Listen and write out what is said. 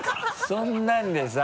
そんなんでさ。